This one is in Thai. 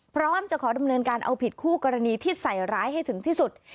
พร้อมจะขอดำเนินการเอาผิดคู่กรณีที่ใส่ร้ายให้ถึงที่สุด